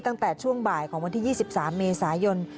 ตั้งแต่ช่วงบ่ายของวันที่๒๓เมษายน